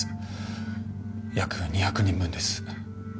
約２００人分です。